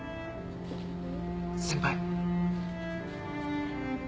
先輩。